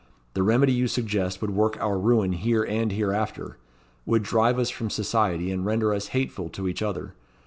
The remedy you suggest would work our ruin here and hereafter; would drive us from society, and render us hateful to each other.